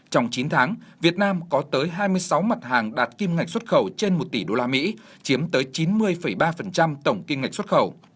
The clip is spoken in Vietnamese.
trong chín tháng việt nam có tới hai mươi sáu mặt hàng đạt kim ngạch xuất khẩu trên một tỷ usd chiếm tới chín mươi ba tổng kim ngạch xuất khẩu